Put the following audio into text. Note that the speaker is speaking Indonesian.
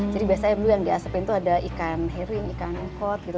jadi biasanya dulu yang di asepin itu ada ikan herring ikan unkot gitu